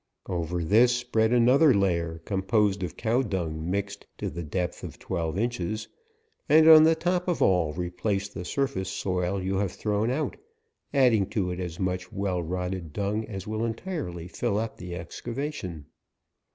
Over this, spread another layer, composed of cow dung mixed, to the depth of twelve inches ; and on the top of all, replace the surface soil you have thrown out, adding to it as much well rotted dung as will entirely fill up the excavation.